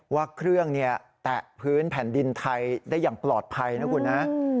ว่าเครื่องแตะพื้นแผ่นดินไทยได้อย่างปลอดภัยนะคุณนะ